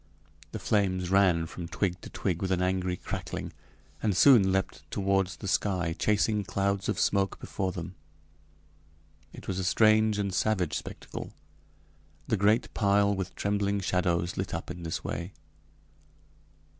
The flames ran from twig to twig with an angry crackling, and soon leaped toward the sky, chasing clouds of smoke before them. It was a strange and savage spectacle, the great pile with trembling shadows lit up in this way.